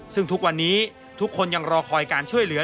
ซึ่งทุกวันนี้ทุกคนยังรอคอยการช่วยเหลือ